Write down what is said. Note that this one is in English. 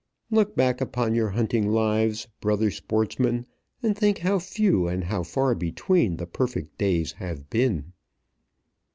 Look back upon your hunting lives, brother sportsmen, and think how few and how far between the perfect days have been.